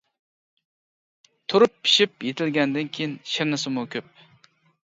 تۇرۇپ پىشىپ يېتىلگەندىن كېيىن شىرنىسىمۇ كۆپ.